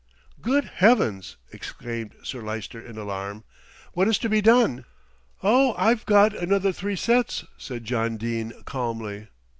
"Good Heavens!" exclaimed Sir Lyster in alarm, "what is to be done?" "Oh! I've got another three sets," said John Dene calmly.